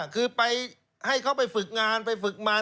คือไปให้เขาไปฝึกงานไปฝึกมัน